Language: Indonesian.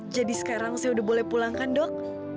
jadi sekarang saya sudah boleh pulangkan dok